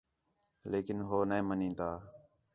لیکن ہو نے منین٘دا